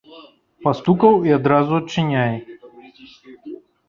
Пастукаў і адразу адчыняй.